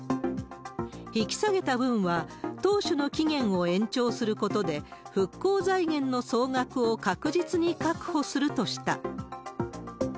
引き下げた分は、当初の期限を延長することで、復興財源の総額を確実に確保するとした。